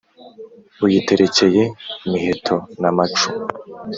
uyiterekeye miheto na macumu